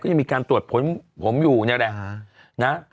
ก็ยังมีการตรวจผมอยู่เนี่ยแหละ